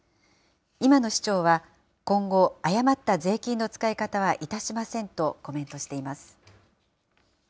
今の市長は、今後、誤った税金の使い方はいたしませんとコメントしています。